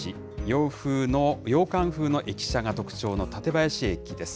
洋風の、洋館風の駅舎が特徴の館林駅です。